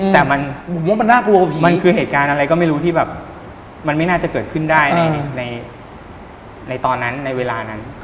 แต่มันคือเหตุการณ์อะไรก็ไม่รู้มันไม่น่าจะเกิดขึ้นได้ในเวลานั้น